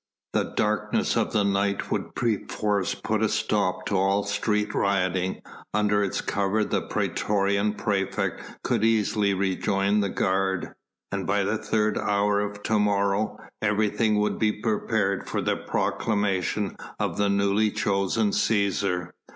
The darkness of the night would perforce put a stop to all street rioting; under its cover the praetorian praefect could easily rejoin the guard, and by the third hour of to morrow, everything would be prepared for the proclamation of the newly chosen Cæsar.